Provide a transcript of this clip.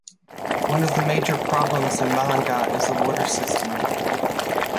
One of the major problems in Malangas is the water system.